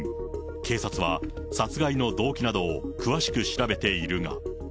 警察は殺害の動機などを詳しく調べているが。